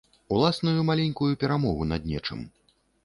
Уласную маленькую перамогу над нечым.